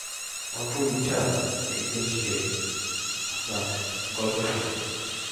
আমার খুব ইচ্ছা একদিন এসে আপনার গল্প শুনি।